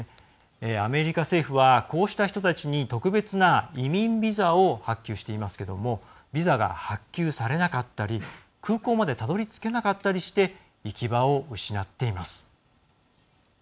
アメリカ政府はこうした人たちに特別な移民ビザを発給していますけどもビザが発給されなかったり空港までたどりつけなかったりして行き場を失っています。